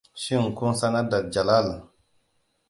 Shin kun sanar da Jalal?